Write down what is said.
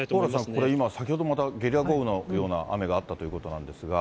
これ、先ほどまたゲリラ豪雨のような雨があったということなんですが。